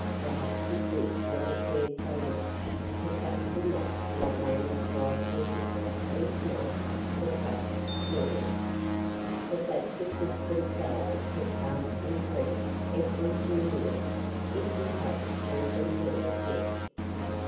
Perhaps he would not have cared so much had Dusty Moth not made his life miserable each night from dusk to dawn. But that persistent fellow kept asking Freddie every few minutes if he had "heard from her" yet.